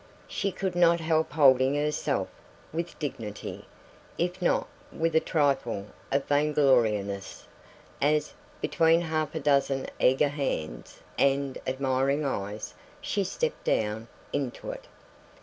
She could not help holding herself with dignity, if not with a trifle of vaingloriousness, as, between half a dozen eager hands and admiring eyes, she stepped down into it.